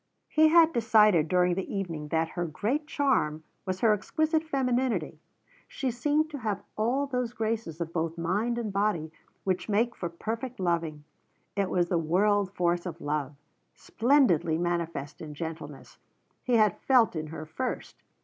He had decided during the evening that her great charm was her exquisite femininity; she seemed to have all those graces of both mind and body which make for perfect loving. It was the world force of love, splendidly manifest in gentleness, he had felt in her first.